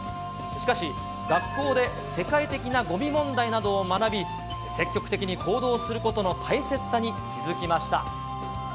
しかし、学校で世界的なごみ問題などを学び、積極的に行動することの大切さに気付きました。